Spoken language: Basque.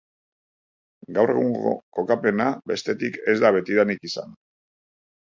Gaur egungo kokapena, bestetik, ez da betidanik izan.